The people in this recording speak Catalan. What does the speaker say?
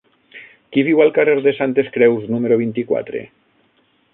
Qui viu al carrer de Santes Creus número vint-i-quatre?